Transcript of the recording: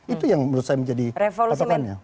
itu yang menurut saya menjadi tontonannya